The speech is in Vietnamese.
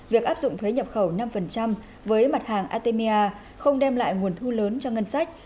việc áp dụng thuế nhập khẩu năm với mặt hàng artemia không đem lại nguồn thu lớn cho ngân sách